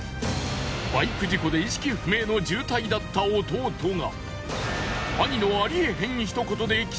バイク事故で意識不明の重体だった弟が。